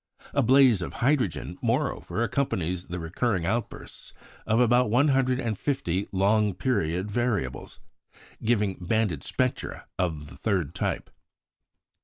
A blaze of hydrogen, moreover, accompanies the recurring outbursts of about one hundred and fifty "long period variables," giving banded spectra of the third type.